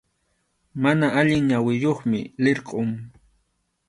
Mana allin ñawiyuqmi, lirqʼum.